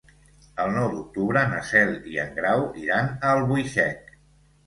El nou d'octubre na Cel i en Grau iran a Albuixec.